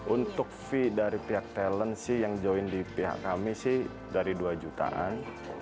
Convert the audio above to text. untuk fee dari pihak talent sih yang join di pihak kami sih dari dua jutaan